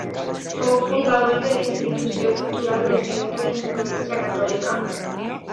Fou fundador de la Institució Cultural del Centre d'Influència Catòlica.